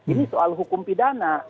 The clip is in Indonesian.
ini soal hukum pidana